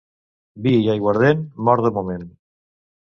Vi i aiguardent, mort de moment.